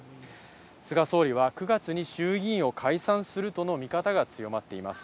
菅総理は、９月に衆議院を解散するとの見方が強まっています。